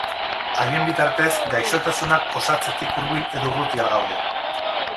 Haien bitartez gaixotasunak osatzetik hurbil edo urruti al gaude?